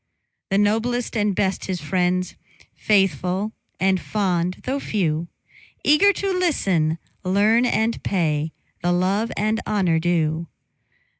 The noblest and best his friends, Faithful and fond, though few; Eager to listen, learn, and pay The love and honor due.